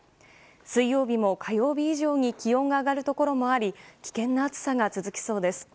水曜日も火曜日以上に気温が上がるところもあり危険な暑さが続きそうです。